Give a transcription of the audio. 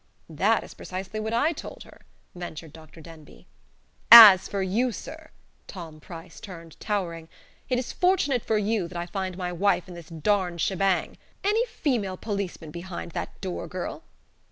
"That is precisely what I told her," ventured Dr. Denbigh. "As for you, sir!" Tom Price turned, towering. "It is fortunate for YOU that I find my wife in this darned shebang. Any female policeman behind that door girl?